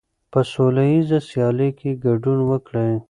په سوله ییزه سیالۍ کې ګډون وکړئ.